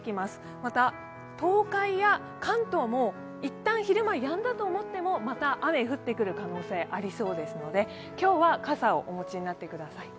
また、東海や関東も一旦昼間、やんだと思ってもまた雨が降ってくる可能性がありそうですので、今日は傘をお持ちになってください。